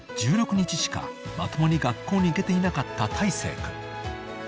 １６日しかまともに学校に行けていなかった大生君］